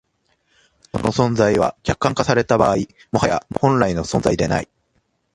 その存在は、客観化された場合、もはや本来の存在でない。